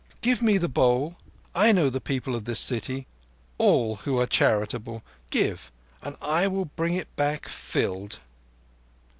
"Give me the bowl. I know the people of this city—all who are charitable. Give, and I will bring it back filled."